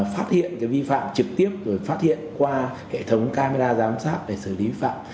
phát hiện vi phạm trực tiếp rồi phát hiện qua hệ thống camera giám sát để xử lý phạm